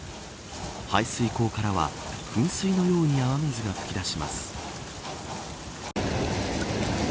排水溝からは噴水のように雨水が吹き出します。